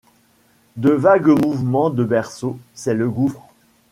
De vagues mouvements de berceau, c'est le gouffre.